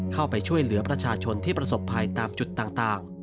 เข้าไปช่วยเหลือประชาชนที่ประสบภัยตามจุดต่าง